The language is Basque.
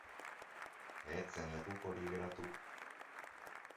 Ez zen lekukorik geratu.